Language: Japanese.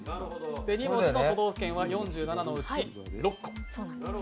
２文字の都道府県は４７のうち６個。